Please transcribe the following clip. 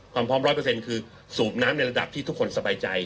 ความพร้อมร้อยเปอร์เซ็นต์คือสูบน้ำในระดับที่ทุกคนสบายใจ